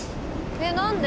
えっ何で？